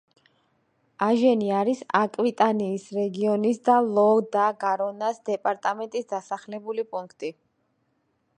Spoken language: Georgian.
აჟენი არის აკვიტანიის რეგიონის და ლო და გარონას დეპარტამენტის დასახლებული პუნქტი.